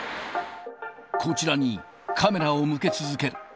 こちらにカメラを向け続ける。